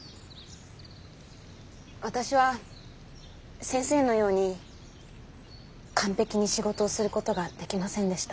私は先生のように完璧に仕事をすることができませんでした。